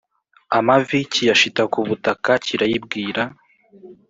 amavi kiyashita ku butaka kirayibwira